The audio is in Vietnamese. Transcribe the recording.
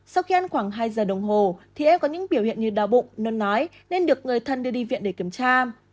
sau khi ăn khoảng hai giờ đồng hồ thì em có những biểu hiện như đau bụng nôn nói nên được người thân đưa đi viện để kiểm tra